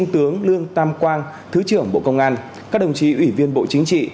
tướng lương tam quang thứ trưởng bộ công an các đồng chí ủy viên bộ chính trị